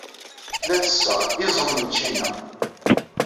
La ttesseɣ iẓem n ččina.